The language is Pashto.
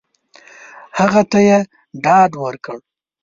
هغه ته یې ډاډ ورکړ !